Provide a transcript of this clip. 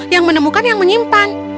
yang menemukan yang menyimpan